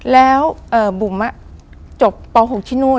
แล้วบุ๋มจบป๖ที่นู่น